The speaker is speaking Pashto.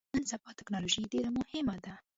نن سبا ټکنالوژي ډیره مهمه ده